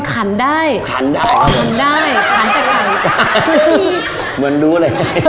กรอบ